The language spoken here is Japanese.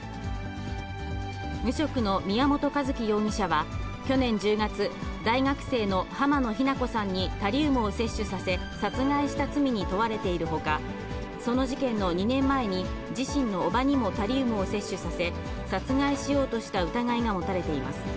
無職の宮本一希容疑者は去年１０月、大学生の浜野日菜子さんにタリウムを摂取させ、殺害した罪に問われているほか、その事件の２年前に、自身の叔母にもタリウムを摂取させ、殺害しようとした疑いが持たれています。